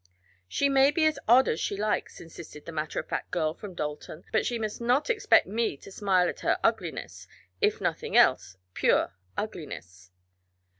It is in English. "She may be as odd as she likes," insisted the matter of fact girl from Dalton, "but she must not expect me to smile at her ugliness it is nothing else pure ugliness."